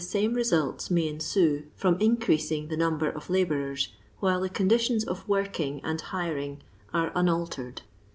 ame results may ensue from increasing the num ber of labourers, while the condiiii«us of working and hiring are iniaitered.